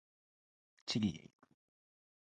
チリへ行く。